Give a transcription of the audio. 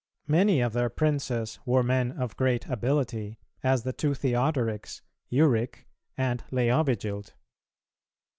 [276:2] Many of their princes were men of great ability, as the two Theodorics, Euric and Leovigild.